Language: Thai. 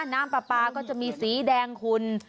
น้ำปลาปลาก็จะมีสีแดงขุ่น